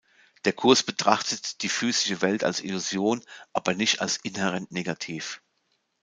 Der Kurs betrachtet die physische Welt als Illusion, aber nicht als inhärent negativ.